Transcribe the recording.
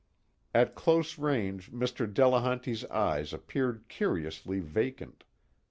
_ At close range Mr. Delehanty's eyes appeared curiously vacant.